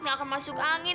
gak akan masuk angin